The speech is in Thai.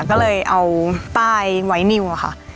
ก็เลยเอาป้ายไว้นิวอะค่ะ